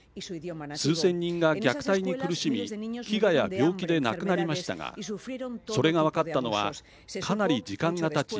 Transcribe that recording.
数千人が虐待に苦しみ飢餓や病気で亡くなりましたがそれが分かったのはかなり時間がたち